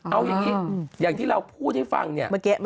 เอาอย่างนี้อย่างที่เราพูดให้ฟังเนี่ย